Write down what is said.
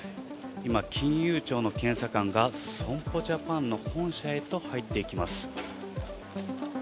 今、金融庁の検査官が、損保ジャパンの本社へと入っていきます。